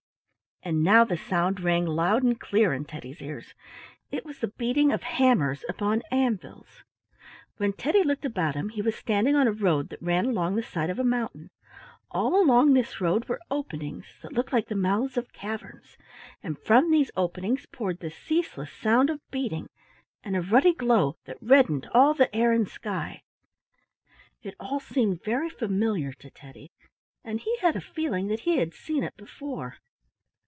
And now the sound rang loud and clear in Teddy's ears; it was the beating of hammers upon anvils. When Teddy looked about him he was standing on a road that ran along the side of a mountain. All along this road were openings that looked like the mouths of caverns, and from these openings poured the ceaseless sound of beating, and a ruddy glow that reddened all the air and sky. It all seemed very familiar to Teddy, and he had a feeling that he had seen it before.